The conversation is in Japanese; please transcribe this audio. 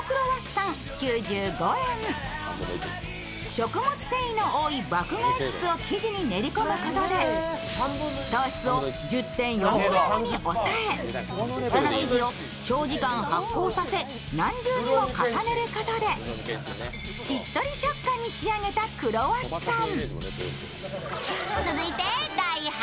食物繊維の多い麦芽エキスを生地に練り込むことで糖質を１０．４ｇに抑え、その生地を長時間発酵させ何重にも重ねることでしっとり食感に仕上げたクロワッサン。